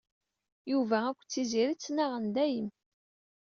Yuba akked Tiziri ttnaɣen dayem.